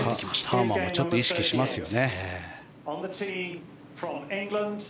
ハーマンはちょっと意識しますよね。